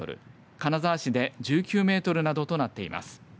金沢市で１９メートルなどとなっています。